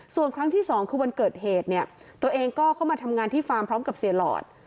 ส่วนครั้งที่สองคือวันเกิดเหตุเนี่ยตัวเองก็เข้ามาทำงานที่ฟาร์มพร้อมกับเสียหลอด